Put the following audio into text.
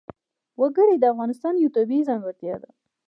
وګړي د افغانستان یوه طبیعي ځانګړتیا ده.